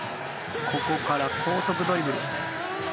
ここから高速ドリブル。